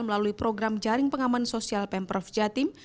melalui program jaring pengaman sosial pemprov jatim